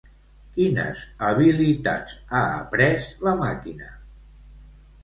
Quines habilitats ha après la màquina?